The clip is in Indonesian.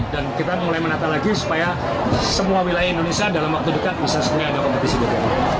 dan kita mulai menata lagi supaya semua wilayah indonesia dalam waktu dekat bisa sebenarnya ada kompetisi dbl